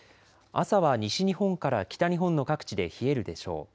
朝は西日本から北日本の各地で冷えるでしょう。